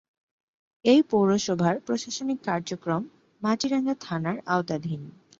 এ পৌরসভার প্রশাসনিক কার্যক্রম মাটিরাঙ্গা থানার আওতাধীন।